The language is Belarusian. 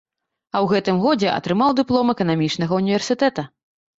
А ў гэтым годзе атрымаў дыплом эканамічнага ўніверсітэта.